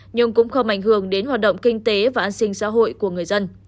nhưng cũng không ảnh hưởng đến hoạt động kinh tế và an sinh xã hội của người dân